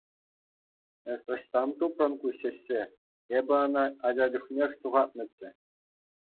Эс ӑҫтан тупрӑн ку ҫӗҫҫе, эп ӑна ача чухнех ҫухатнӑччӗю.